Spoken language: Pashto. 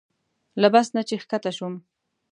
له بس نه چې ښکته شوم.